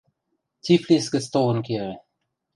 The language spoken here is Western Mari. – Тифлис гӹц толын кевӹ.